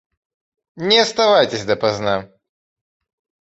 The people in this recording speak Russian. Не оставайтесь допоздна.